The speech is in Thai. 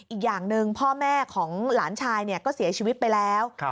อีกอย่างหนึ่งพ่อแม่ของหลานชายก็เสียชีวิตไปแล้ว